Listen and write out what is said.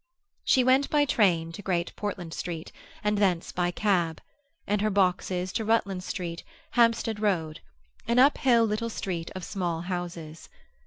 She went by train to Great Portland Street, and thence by cab, with her two boxes, to Rutland Street, Hampstead Road—an uphill little street of small houses.